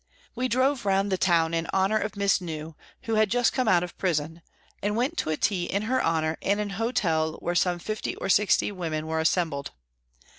We drove round the town in honour of Miss New, who had just come out of prison, and went to a tea in her honour in an hotel where some fifty or sixty women were assembled.